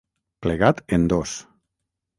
Plegat en dos.